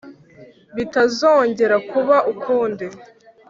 bitazongera kuba ukundi